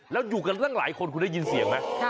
แล้วอยู่กันตั้งหลายคนคุณได้ยินเสียงไหม